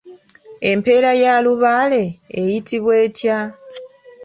Empeera ya Lubaale eyitibwa etya?